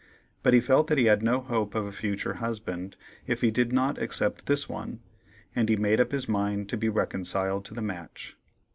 But he felt that he had no hope of a future husband if he did not accept this one, and he made up his mind to be reconciled to the match.